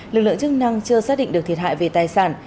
lực lượng chức năng chưa xác định được thiệt hại về tài sản